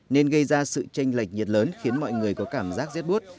nên gây ra sự tranh lệch nhiệt lớn khiến mọi người có cảm giác rét bút